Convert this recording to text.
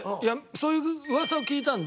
そういう噂を聞いたんで。